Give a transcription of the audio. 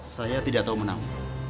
saya tidak tahu menang